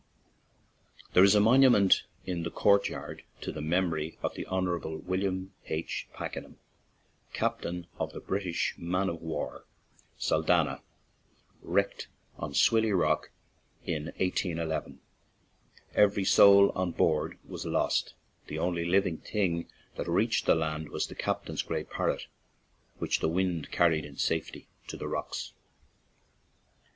There is a monument in the churchyard to the memory of the Hon. William H. Packenham, captain of the British man of war Saldanha, wrecked on S willy Rock in 181 1. Every soul on board was lost; the only living thing that reached the 11 ON AN IRISH JAUNTING CAR land was the captain's gray parrot, which the wind carried in safety to the rocky shore.